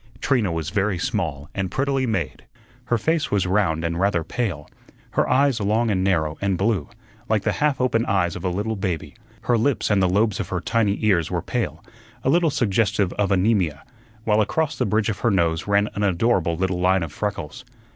Trina was very small and prettily made. Her face was round and rather pale; her eyes long and narrow and blue, like the half open eyes of a little baby; her lips and the lobes of her tiny ears were pale, a little suggestive of anaemia; while across the bridge of her nose ran an adorable little line of freckles.